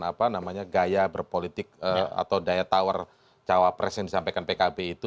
apa namanya gaya berpolitik atau daya tawar cawa pres yang disampaikan pkp itu